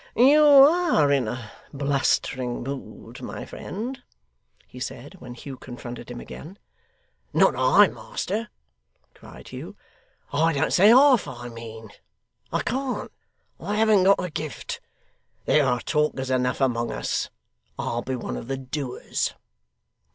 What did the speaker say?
'You are in a blustering mood, my friend,' he said, when Hugh confronted him again. 'Not I, master!' cried Hugh. 'I don't say half I mean. I can't. I haven't got the gift. There are talkers enough among us; I'll be one of the doers.